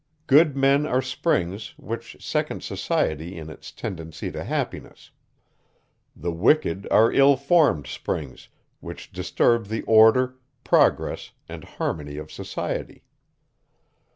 Good men are springs, which second society in its tendency to happiness; the wicked are ill formed springs, which disturb the order, progress, and harmony of society.